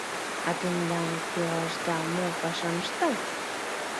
А тендан пелашда мо пашам ышта?